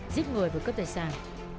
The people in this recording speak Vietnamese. giết người và cướp tài sản